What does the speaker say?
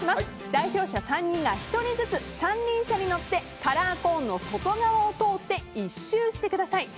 代表者３人が１人ずつ三輪車に乗ってカラーコーンの外側を通って１周してください。